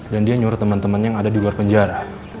dan dia nyuruh temen temen yang ada di luar penjara